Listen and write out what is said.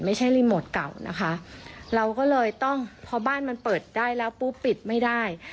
ไม่ใช่รีโมทเก่านะคะเราก็เลยต้องพอบ้านมันเปิดได้แล้วปุ๊บปิดไม่ได้